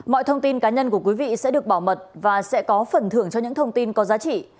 mọi thông tin cá nhân của quý vị sẽ được bảo mật và sẽ có phần thưởng cho những thông tin có giá trị